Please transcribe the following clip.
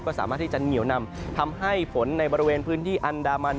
ก็สามารถที่จะเหนียวนำทำให้ฝนในบริเวณพื้นที่อันดามัน